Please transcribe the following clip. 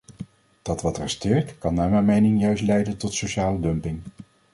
Dat wat resteert, kan naar mijn mening juist leiden tot sociale dumping.